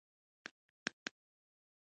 جنوبي آسيا د نړۍ زيات نفوس لرونکي سيمه ده.